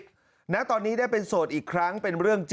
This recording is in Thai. แถลงการแนะนำพระมหาเทวีเจ้าแห่งเมืองทิพย์